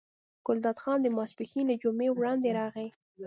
ګلداد خان د ماسپښین له جمعې وړاندې راغی.